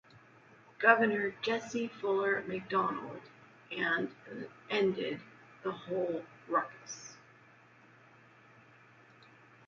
Governor Jesse Fuller McDonald, and ended the whole ruckus.